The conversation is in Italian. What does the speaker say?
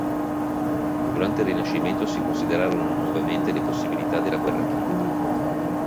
Durante il Rinascimento si considerarono nuovamente le possibilità della guerra chimica.